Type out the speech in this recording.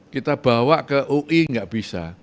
kita bawa ke ui tidak bisa